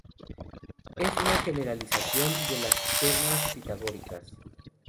Es una generalización de la ternas pitagóricas.